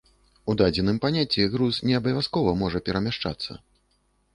У дадзеным паняцці груз не абавязкова можа перамяшчацца.